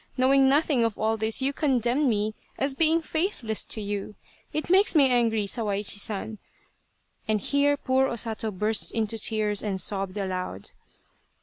Knowing nothing of all this you condemn me as being faithless to you. It makes me angry, Sawaichi San !" and here poor O Sato burst into tears and sobbed aloud.